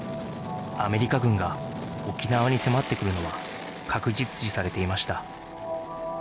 アメリカ軍が沖縄に迫ってくるのは確実視されていました